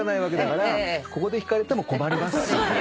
ここで聞かれても困りますよね。